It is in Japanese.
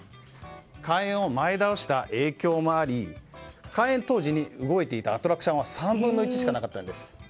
開園を前倒した影響もあり開園当時に動いていたアトラクションは３分の１しかなかったんです。